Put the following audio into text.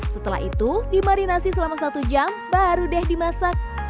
setelah itu dimarinasi selama satu jam baru deh dimasak